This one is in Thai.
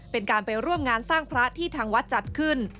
เป็นการไปร่วมงานสร้างพระที่ทางวัดจัดขึ้น